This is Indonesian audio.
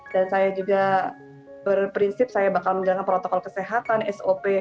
dan saya juga berprinsip saya akan menggunakan protokol kesehatan sop